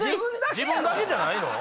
自分だけじゃないの？